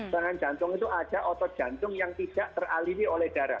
serangan jantung itu ada otot jantung yang tidak teraliri oleh darah